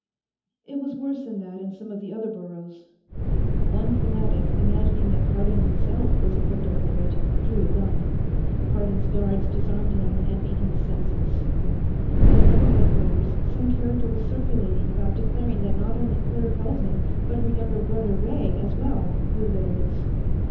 It was worse than that in some of the other boroughs. One fanatic, imagining that Cardon himself was a crypto Literate, drew a gun. Cardon's guards disarmed him and beat him senseless. At another headquarters, some character was circulating about declaring that not only Claire Pelton but her younger brother, Ray, as well, were Literates.